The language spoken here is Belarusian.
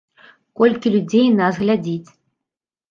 Колькі людзей нас глядзіць?